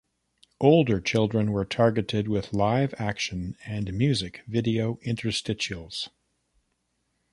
Older children were targeted with live action and music video interstitials.